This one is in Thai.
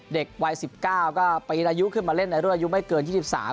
เด็กวัย๑๙ก็ปีนายุขึ้นมาเล่นในรุ่นอายุไม่เกิน๒๓